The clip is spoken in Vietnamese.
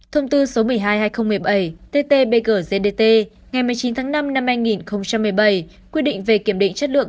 thông tư số một mươi hai hai nghìn một mươi bảy tt bg gdt ngày một mươi chín năm hai nghìn một mươi bảy quy định về kiểm định chất lượng